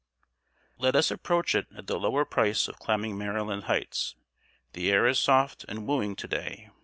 ] Let us approach it at the lower price of climbing Maryland Hights. The air is soft and wooing to day.